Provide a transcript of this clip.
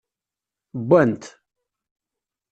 Wwant.